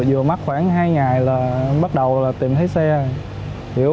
vừa mất khoảng hai ngày là bắt đầu tìm thấy xe